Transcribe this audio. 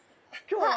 今日は。